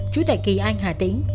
chú tài kỳ anh hà tĩnh